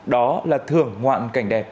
đó là thưởng ngoạn cảnh đẹp